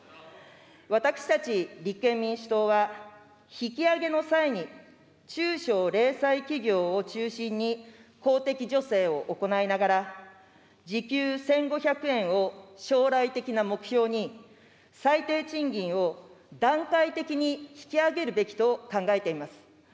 私たち立憲民主党は、引き上げの際に、中小零細企業を中心に、公的助成を行いながら、時給１５００円を将来的な目標に、最低賃金を段階的に引き上げるべきと考えています。